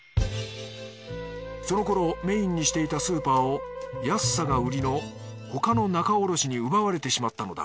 その頃メインにしていたスーパーを安さが売りの他の仲卸に奪われてしまったのだ